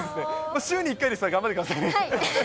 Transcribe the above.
週に１回ですから、頑張ってくださいね。